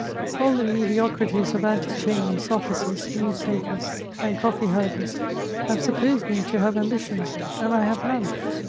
All the mediocrities of antechambers, offices, newspapers, and coffee houses, have supposed me to have ambi tion — and I have none.